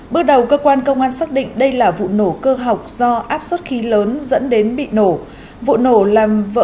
bước đầu cơ quan công an xác định đây là vụ nổ cơ học do áp suất khí lớn dẫn đến bị nổ vụ nổ làm vỡ cửa kính đổ cửa khiến cho các nạn nhân bị thương